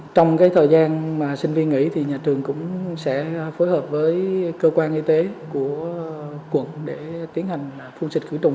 trong thời gian mà sinh viên nghỉ nhà trường cũng sẽ phối hợp với cơ quan y tế của quận để tiến hành phun xịt cửa trùng